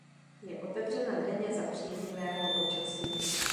Je otevřena denně za příznivého počasí.